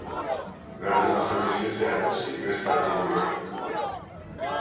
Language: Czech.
Narodila se ve městě Syracuse ve státě New York.